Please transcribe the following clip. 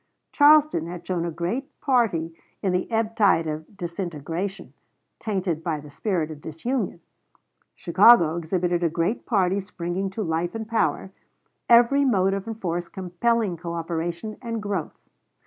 Charleston had shown a great party in the ebbtide of disintegration, tainted by the spirit of disunion. Chicago exhibited a great party springing to life and power, every motive and force compelling coöperation and growth.